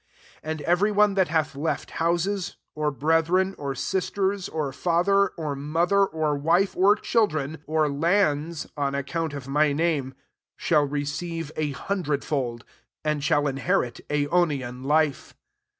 29 And every one that hath left houses^ or brethren, or sisters, or fa ther, or mother, or wife, or ^chil dren, or landS) on account of my name, shall receive a huB<* dred fold, and shall inherit ak><» nian life.